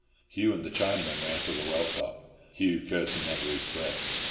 Hugh and the Chinaman ran to the well top, Hugh cursing under his breath.